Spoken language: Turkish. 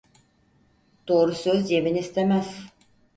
Doğru söz yemin istemez.